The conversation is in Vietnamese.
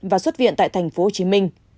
và xuất viện tại tp hcm